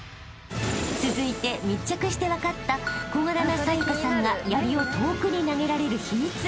［続いて密着して分かった小柄な紗優加さんがやりを遠くに投げられる秘密］